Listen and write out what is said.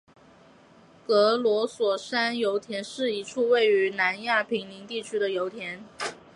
格罗索山油田是一处位于南亚平宁地区的油田。